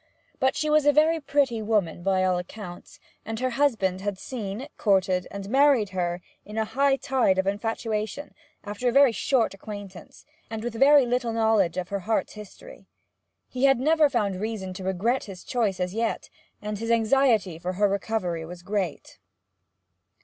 But she was a very pretty woman, by all accounts, and her husband had seen, courted, and married her in a high tide of infatuation, after a very short acquaintance, and with very little knowledge of her heart's history. He had never found reason to regret his choice as yet, and his anxiety for her recovery was great.